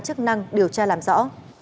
cơ quan chức năng điều tra làm rõ